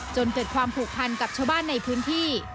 จนเกิดความผูกพันกับชาวบ้านในพื้นที่